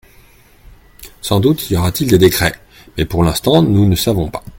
Sans doute y aura-t-il des décrets, mais pour l’instant nous ne savons pas.